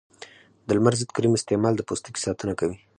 د لمر ضد کریم استعمال د پوستکي ساتنه کوي.